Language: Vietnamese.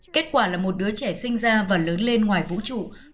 kết quả là một đứa trẻ sinh ra và lớn lên ngoài vũ trụ